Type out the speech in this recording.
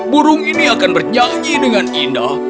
burung ini akan bernyanyi dengan indah